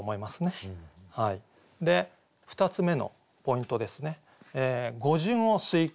２つ目のポイントですね